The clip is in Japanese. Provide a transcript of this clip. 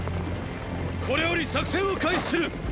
これより作戦を開始する！！